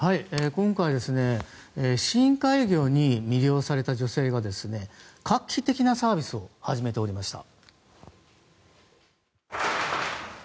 今回深海魚に魅了された女性が画期的なサービスを始めておりました。